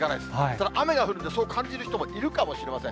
ただ、雨が降ると、そう感じる人もいるかもしれません。